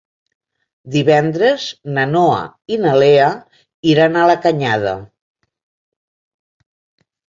Divendres na Noa i na Lea iran a la Canyada.